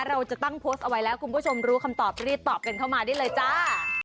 เราจะตั้งโพสต์เอาไว้แล้วคุณผู้ชมรู้คำตอบรีบตอบกันเข้ามาได้เลยจ้า